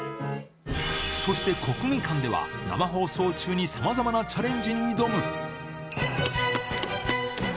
そして国技館では、生放送中にさまざまなチャレンジに挑む。